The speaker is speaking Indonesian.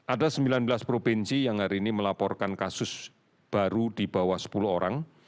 ada sembilan belas provinsi yang hari ini melaporkan kasus baru di bawah sepuluh orang